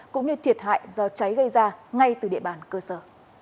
cũng như thiệt hại do cháy gây ra ngay từ địa bàn cơ sở